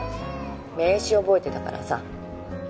名刺覚えてたからさ